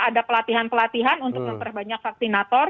ada pelatihan pelatihan untuk memperbanyak vaksinator